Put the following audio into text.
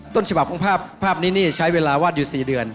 ต้นฉบับของภาพภาพนี้นี่ใช้เวลาวาดอยู่๔เดือน